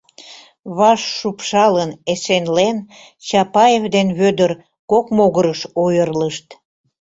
Ваш шупшалын эсенлен, Чапаев ден Вӧдыр кок могырыш ойырлышт.